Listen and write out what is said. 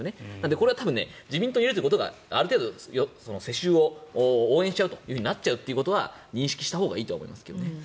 これは多分自民党に入れることが世襲を応援しちゃうとなっちゃうということは認識したほうがいいと思いますけどね。